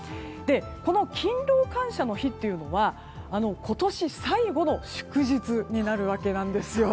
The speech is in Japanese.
この勤労感謝の日は今年最後の祝日になるわけなんですよ。